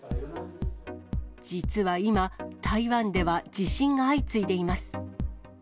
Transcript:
実は今、台湾では地震が相次いでいます。